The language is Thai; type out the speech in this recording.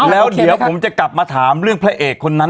แล้วเดี๋ยวผมจะกลับมาถามเรื่องพระเอกคนนั้น